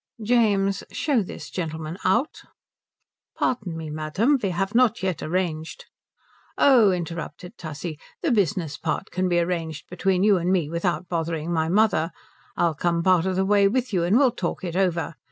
"James, show this gentleman out." "Pardon me, madam, we have not yet arranged " "Oh," interrupted Tussie, "the business part can be arranged between you and me without bothering my mother. I'll come part of the way with you and we'll talk it over.